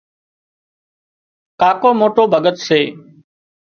ڪاڪو موٽو ڀڳت سي